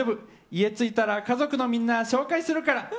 家ついたら家族のみんな紹介するから。